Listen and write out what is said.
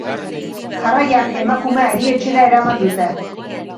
Jarraian, emakumea erietxera eraman dute.